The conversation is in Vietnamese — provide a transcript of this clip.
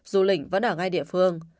dù lỉnh vẫn ở ngay địa phương